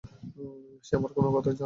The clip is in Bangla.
সে আমার কোনো কথায় কান দিবে না।